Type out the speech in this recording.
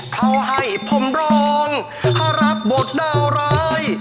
เขาให้ผมรองเขารับบทดาวร้าย